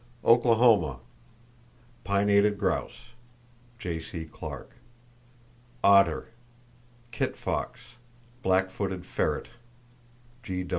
Oklahoma: Pinnated grouse.—(J.C. Clark); otter, kit fox, black footed ferret.